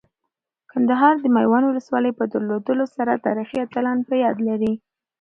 کندهار د میوند ولسوالۍ په درلودلو سره تاریخي اتلان په یاد لري.